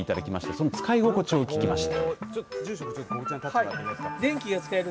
その使い心地を聞いてみました。